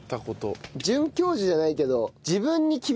准教授じゃないけど。